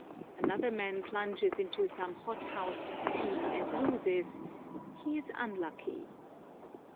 Another man plunges into some hot house scheme and loses: "He is unlucky."